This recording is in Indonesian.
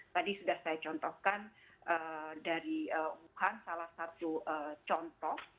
tadi sudah saya contohkan dari wuhan salah satu contoh